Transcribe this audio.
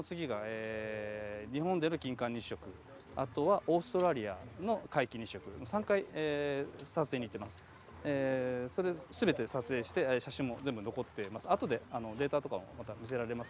saya mencari peralatan dari jepang australia dan australia